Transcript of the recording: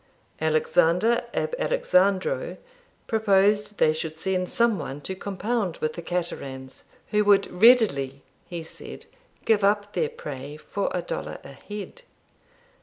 Alexander ab Alexandro proposed they should send some one to compound with the Caterans, who would readily, he said, give up their prey for a dollar a head.